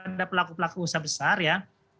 terkonsentrasi pada pelaku pelaku usaha besar ya